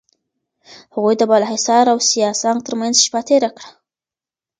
هغوی د بالاحصار او سیاه سنگ ترمنځ شپه تېره کړه.